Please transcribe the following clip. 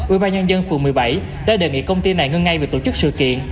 ủy ban nhân dân phường một mươi bảy đã đề nghị công ty này ngưng ngay việc tổ chức sự kiện